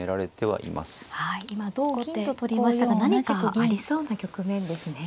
はい今同銀と取りましたが何かありそうな局面ですね。